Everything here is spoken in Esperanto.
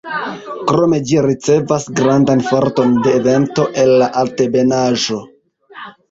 Krome ĝi ricevas grandan forton de vento el la Altebenaĵo.